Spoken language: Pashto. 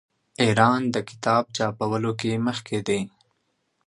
ایران د کتاب چاپولو کې مخکې دی.